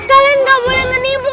kalian gak boleh menimbuk